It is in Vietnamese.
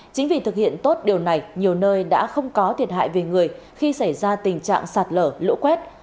chính vì thực hiện tốt điều này nhiều nơi đã không có thiệt hại về người khi xảy ra tình trạng sạt lở lũ quét